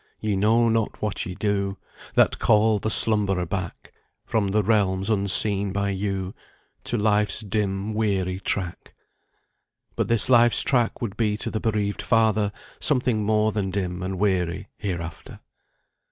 "Ye know not what ye do, That call the slumberer back From the realms unseen by you, To life's dim, weary track." But this life's track would be to the bereaved father something more than dim and weary, hereafter.